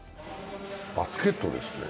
バスケットですね。